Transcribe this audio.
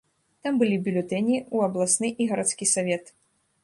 Там былі бюлетэні ў абласны і гарадскі савет.